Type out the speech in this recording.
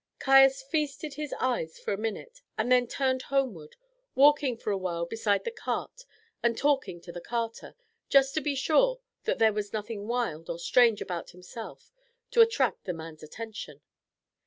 Caius feasted his eyes for a minute and then turned homeward, walking for awhile beside the cart and talking to the carter, just to be sure that there was nothing wild or strange about himself to attract the man's attention.